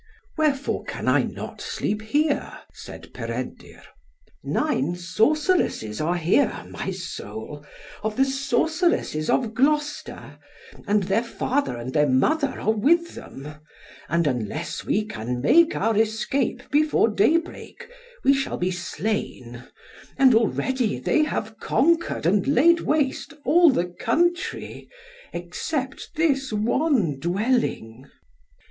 "Wherefore can I not sleep here?" said Peredur. "Nine sorceresses are here, my soul, of the sorceresses of Gloucester, and their father and their mother are with them; and unless we can make our escape before daybreak, we shall be slain; and already they have conquered and laid waste all the country, except this one dwelling."